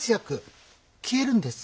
消えるんです。